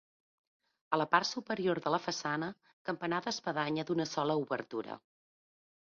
A la part superior de la façana, campanar d'espadanya d'una sola obertura.